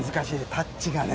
タッチがね。